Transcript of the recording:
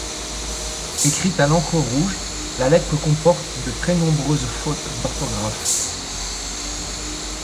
Écrite à l'encre rouge, la lettre comporte de très nombreuses fautes d'orthographe.